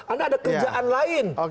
anda ada kerjaan lain